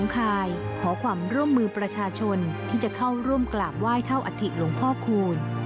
คายขอความร่วมมือประชาชนที่จะเข้าร่วมกราบไหว้เท่าอัฐิหลวงพ่อคูณ